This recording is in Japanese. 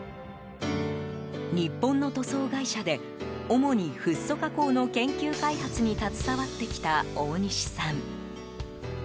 日本の塗装会社で主にフッ素加工の研究開発に携わってきた大西さん。